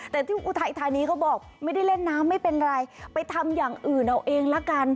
แต่ที่อุทัยธานีเขาบอกไม่ได้เล่นน้ำไม่เป็นไรไปทำอย่างอื่นเอาเองละกัน